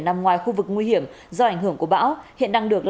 nằm ngoài khu vực nguy hiểm do ảnh hưởng của bão